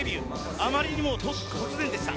あまりにも突然でした。